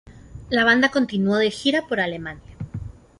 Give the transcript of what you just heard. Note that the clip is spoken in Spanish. La banda continúo de gira por Alemania.